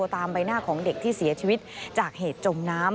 ตามใบหน้าของเด็กที่เสียชีวิตจากเหตุจมน้ำ